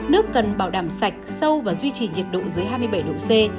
nước cần bảo đảm sạch sâu và duy trì nhiệt độ dưới hai mươi bảy độ c